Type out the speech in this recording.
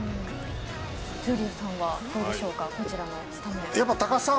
闘莉王さんはどうでしょうかこちらのスタメン。